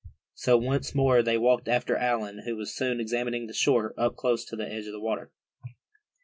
So once more they walked after Allan, who was soon examining the shore close to the edge of the water.